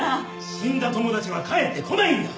死んだ友達は帰ってこないんだ。